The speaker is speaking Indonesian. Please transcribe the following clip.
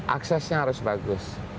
aksesnya harus bagus